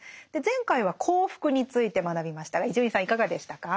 前回は幸福について学びましたが伊集院さんいかがでしたか？